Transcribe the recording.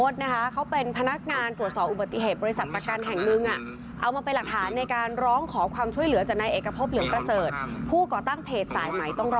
ดังกันจะยิงปืนจะยิงผม